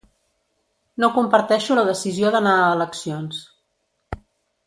No comparteixo la decisió d’anar a eleccions.